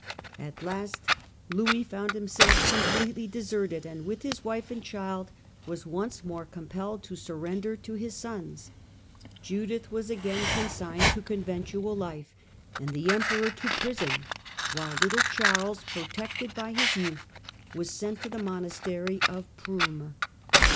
At last Louis 14 210 THE DAWN OF MEDIEVAL EUROPE found himself completely deserted, and with his wife and child was once more compelled to surrender to his sons. Judith was again consigned to conventual life and the Emperor to prison, while little Charles, protected by his youth, was sent to the monastery of Pruym.